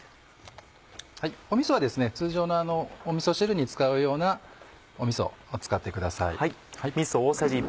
みそは通常のみそ汁に使うようなみそを使ってください。